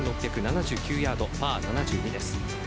６６７９ヤード、パー７２です。